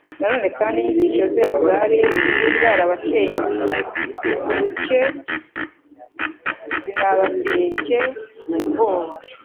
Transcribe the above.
Na none kandi inyigisho ze zari zarabacengcye zinabatcye ubwoba.